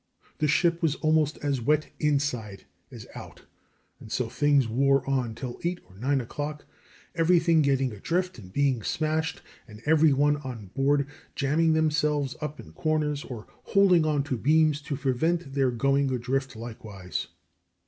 The ship was almost as wet inside as out, and so things wore on till eight or nine o'clock, everything getting adrift and being smashed, and every one on board jamming themselves up in corners or holding on to beams to prevent their going adrift likewise.